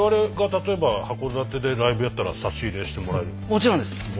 もちろんです！